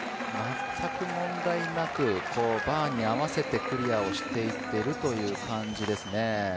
全く問題なくバーに合わせてクリアしていってるという感じですね。